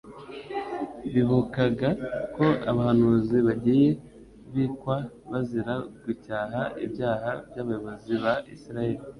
Bibukaga ko abahanuzi bagiye bkwa bazira gucyaha ibyaha by'abayobozi ba Isiraeli.